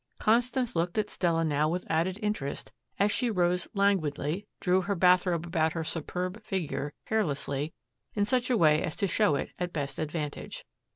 Constance looked at Stella now with added interest as she rose languidly, drew her bathrobe about her superb figure carelessly in such a way as to show it at best advantage.